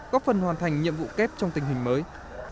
góp phần hoàn thành nhiệm vụ kép trong tình hình mới